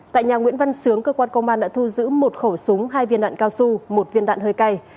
tại nhà nguyễn văn sướng cơ quan công an đã thu giữ một khẩu súng hai viên đạn cao su một viên đạn hơi cay